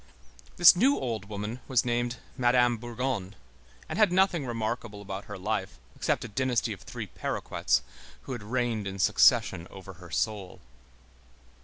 This new old woman was named Madame Bourgon, and had nothing remarkable about her life except a dynasty of three paroquets, who had reigned in succession over her soul.